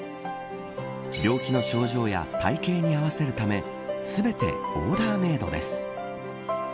病気の症状や体形に合わせるため全てオーダーメードです。